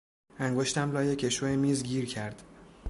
انگشتم لای کشو میز گیر کرد.